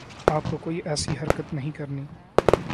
آپ کو کوئی ایسی حرکت نہیں کرنی